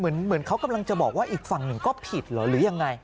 เหมือนเขากำลังจะบอกว่าอีกฝั่งหนึ่งก็ผิดเหรอหรือยังไง